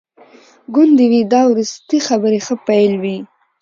ګوندي وي دا وروستي خبري ښه پیل وي.